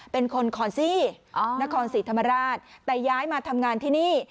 เป็นคนคอนซี่นครศรีธรรมราชแต่ย้ายมาทำงานที่นี่